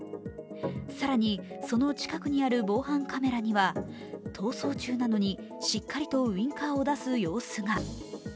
更にその近くにある防犯カメラには逃走中なのに、しっかりとウインカーを出す様子が。